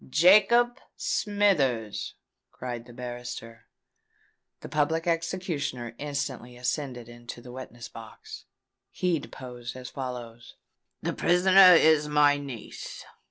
"Jacob Smithers!" cried the barrister. The Public Executioner instantly ascended into the witness box. He deposed as follows: "The prisoner is my niece.